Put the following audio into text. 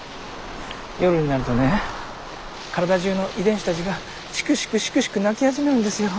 夜になるとね体じゅうの遺伝子たちがしくしくしくしく泣き始めるんですよ。